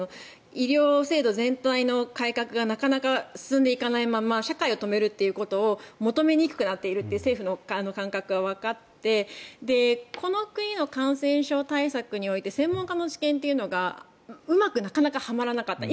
医療制度全体の改革がなかなか進んでいかないまま社会を止めるということを求めにくくなっているという政府の感覚がわかってこの国の感染症対策において専門家の知見というのがうまくなかなかはまらなかった。